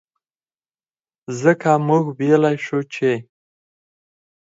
ځکه مونږ وئيلے شو چې